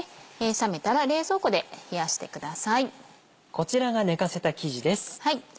こちらが寝かせた生地です。